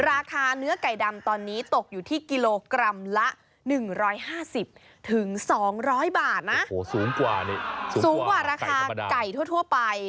ราคาเนื้อไก่ดำตอนนี้ตกอยู่ที่กิโลกรัมละหนึ่งร้อยห้าสิบถึงสองร้อยบาทนะโอ้โหสูงกว่านี่สูงกว่าราคาไก่ทั่วทั่วไป